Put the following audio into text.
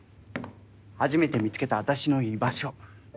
初めて見つけたあたしの居場所。